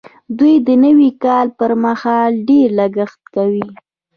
دوی د نوي کال پر مهال ډېر لګښت کوي.